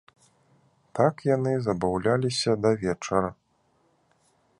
Так яны забаўляліся да вечара.